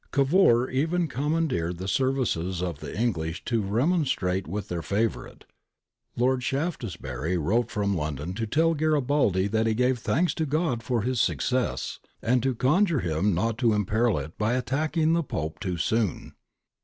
^ Cavour even commandeered the services of the Eng lish to remonstrate with their favourite. Lord Shaftes bury wrote from London to tell Garibaldi that he gave thanks to God for his success, and to conjure him not to imperil it by attacking the Pope too soon.'